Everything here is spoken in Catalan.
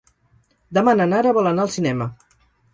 Demà na Nara vol anar al cinema.